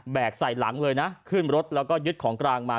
ใส่หลังเลยนะขึ้นรถแล้วก็ยึดของกลางมา